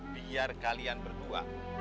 biar kalian berdua